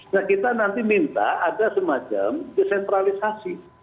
nah kita nanti minta ada semacam desentralisasi